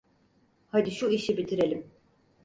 Hadi şu işi bitirelim.